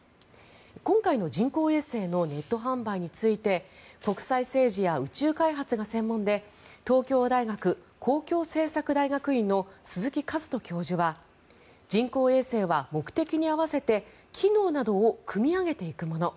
今回の人工衛星のネット販売について国際政治や宇宙開発が専門で東京大学公共政策大学院の鈴木一人教授は人工衛星は目的に合わせて機能などを組み上げていくもの